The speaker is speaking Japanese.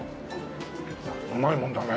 うまいもんだね。